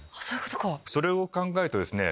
それを考えるとですね